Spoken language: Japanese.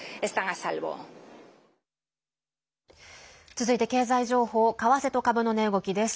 続いて、経済情報為替と株の値動きです。